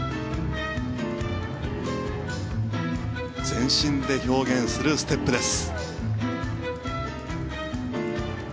全身で表現するステップです。